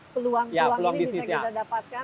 peluang peluang ini bisa kita dapatkan